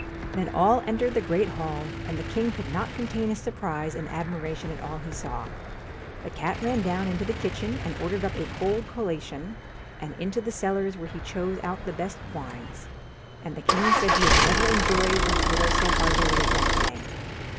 Then all entered the great hall, and the king could not contain his surprise and admiration at all he saw. The cat ran down into the kitchen and ordered up a cold collation, and into the cellars, where he chose out the best wines ; and the king said he had never enjoyed his victuals so heartily as that day.